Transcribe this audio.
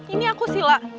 ini aku sila